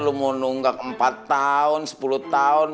lu mau nunggak empat tahun sepuluh tahun